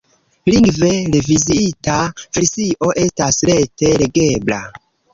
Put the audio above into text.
Lingve reviziita versio estas rete legebla.